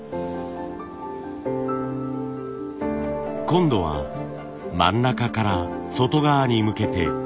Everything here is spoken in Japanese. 今度は真ん中から外側に向けて。